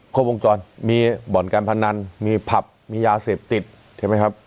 ครบวงจรมีบ่อนการพนันมีผับมียาเสพติดใช่ไหมครับ